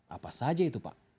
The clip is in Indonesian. apa saja itu pak